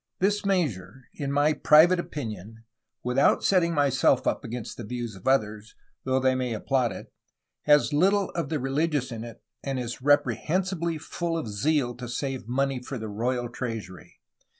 . This measure, in my private opinion, without setting myself up against the views of others, though they may ap plaud it, has little of the religious in it, and is reprehensibly full of zeal to save money for the royal treasury